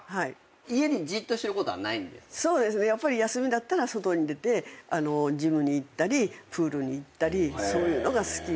そうですねやっぱり休みだったら外に出てジムに行ったりプールに行ったりそういうのが好きですし。